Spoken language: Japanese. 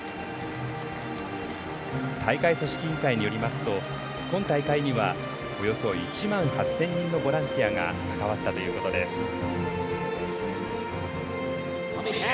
大会組織委員会によると今大会にはおよそ１万８０００人のボランティアが関わったということです。